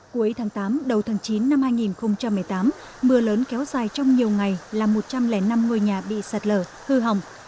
cuối tháng tám đầu tháng chín năm hai nghìn một mươi tám mưa lớn kéo dài trong nhiều ngày làm một trăm linh năm ngôi nhà bị sạt lở hư hỏng